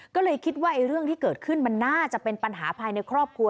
ก็เลยคิดว่าเรื่องที่เกิดขึ้นมันน่าจะเป็นปัญหาภายในครอบครัว